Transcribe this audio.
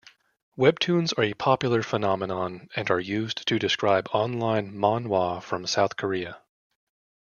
Webtoons are a popular phenomenon and are used to describe online manwha from South-Korea.